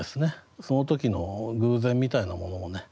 その時の偶然みたいなものをね